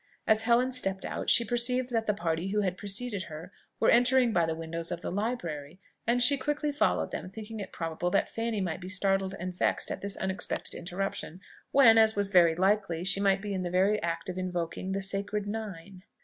As Helen stepped out, she perceived that the party who had preceded her were entering by the window of the library, and she quickly followed them, thinking it probable that Fanny might be startled and vexed at this unexpected interruption, when, as was very likely, she might be in the very act of invoking the "sacred nine."